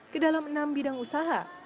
ke dalam enam bidang usaha